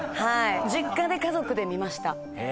実家で家族で見ました。